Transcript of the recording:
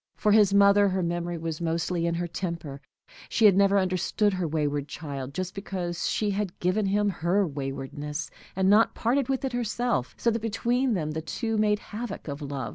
For his mother, her memory was mostly in her temper. She had never understood her wayward child, just because she had given him her waywardness, and not parted with it herself, so that between them the two made havoc of love.